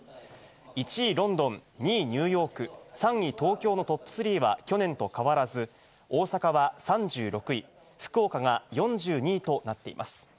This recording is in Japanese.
１位ロンドン、２位ニューヨーク、３位東京のトップ３は去年と変わらず、大阪は３６位、福岡が４２位となっています。